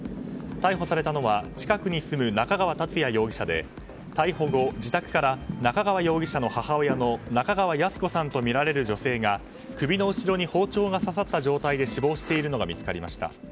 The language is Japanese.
逮捕されたのは近くに住む中川達也容疑者で逮捕後、自宅から中川容疑者の母親の中川裕子さんとみられる女性が首の後ろに包丁が刺さった状態で死亡しているのが見つかりました。